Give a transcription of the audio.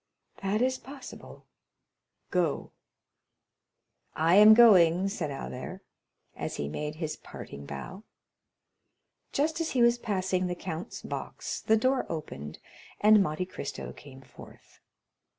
"That is possible—go." "I am going," said Albert, as he made his parting bow. Just as he was passing the count's box, the door opened, and Monte Cristo came forth.